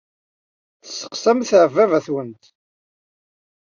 Tesseqsamt ɣef baba-twent.